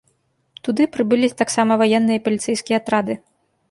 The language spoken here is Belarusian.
Туды прыбылі таксама ваенныя і паліцэйскія атрады.